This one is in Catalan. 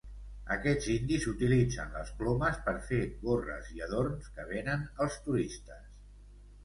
Aquests indis utilitzen les plomes per fer gorres i adorns que venen als turistes.